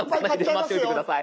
待っておいて下さい！